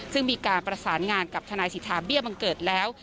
ซึ่งมีการประสานงานกับทนายสิทธาเบี้ยบังเกิดแล้ว